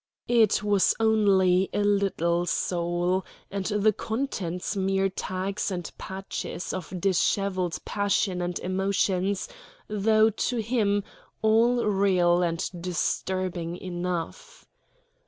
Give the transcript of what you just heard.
It was only a little soul, and the contents mere tags and patches of dishevelled passion and emotions, though to him all real and disturbing enough.